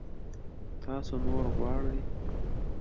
تاسو نور غواړئ؟